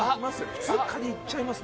普通カニいっちゃいます